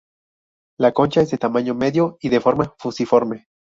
La concha es de tamaño medio y de forma fusiforme.